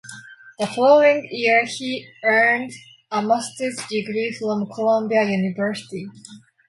The following year, he earned a Masters degree from Columbia University.